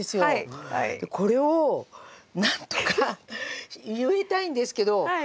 これをなんとか植えたいんですけど